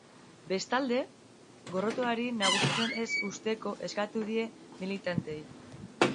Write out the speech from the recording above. Bestalde, gorrotoari nagusitzen ez uzteko eskatu die militanteei.